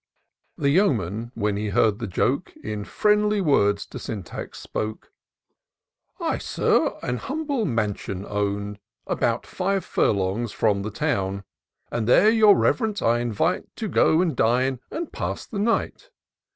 The Yeoman, when he heard the joke, In friendly words to Sjoitax spoke, " I, Sir, an humble mansion own. About five ftirlongs from the town ; 184 TOUR OF DOCTOR SYNTAX And there your Rev rence I invite To go and dine, and pass the night.